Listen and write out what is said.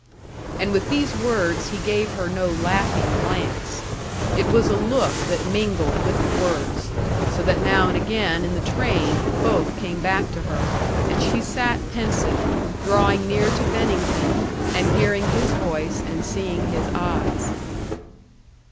And with these words he gave her no laughing glance. It was a look that mingled with the words; so that now and again in the train, both came back to her, and she sat pensive, drawing near to Bennington and hearing his voice and seeing his eyes.